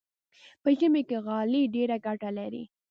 په ژمي کې غالۍ ډېره ګټه لري.